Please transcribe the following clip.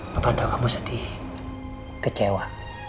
papa tau kamu sedih kecewa